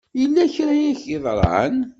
Yella kra i ak-yeḍran?